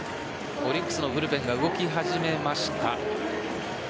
オリックスのブルペンが動き始めました。